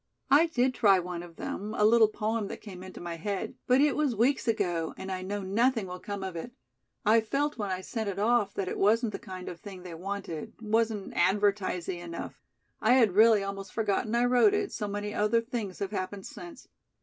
"I did try one of them, a little poem that came into my head, but it was weeks ago and I know nothing will come of it. I felt when I sent it off that it wasn't the kind of thing they wanted, wasn't advertisey enough. I had really almost forgotten I wrote it, so many other things have happened since.